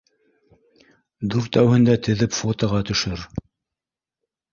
— Дүртәүһен дә теҙеп фотоға төшөр.